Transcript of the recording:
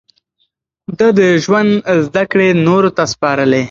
ده د ژوند زده کړې نورو ته سپارلې.